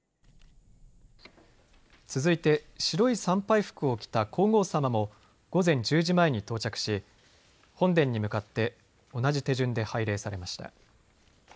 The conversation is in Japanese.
続いて白い参拝服を着た皇后さまも午前１０時前に到着し本殿に向かって同じ手順で拝礼されました。